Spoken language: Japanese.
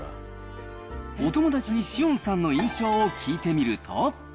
お友達に紫苑さんの印象を聞いてみると。